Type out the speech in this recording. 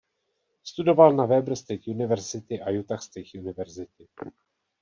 Studoval na Weber State University a Utah State University.